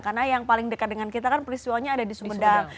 karena yang paling dekat dengan kita kan peristiwanya ada di sumedang